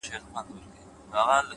• د هوی و های د محفلونو د شرنګاه لوري؛